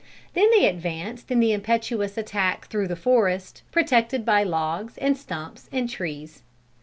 Then they advanced in the impetuous attack through the forest, protected by logs, and stumps, and trees.